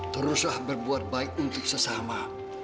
teruslah berbuat baik untuk sesama